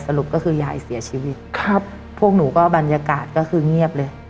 สรุปก็คือยายเสียชีวิตครับพวกหนูก็บรรยากาศก็คือเงียบเลย